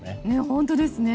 本当ですね。